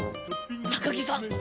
高木さん。